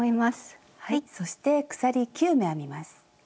そして鎖９目編みます。